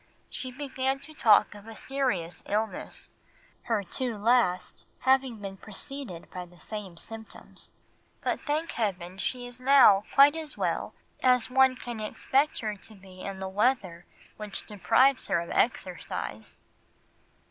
She began to talk of a serious illness, her two last having been preceded by the same symptoms, but thank heaven she is now quite as well as one can expect her to be in the weather which deprives her of exercise."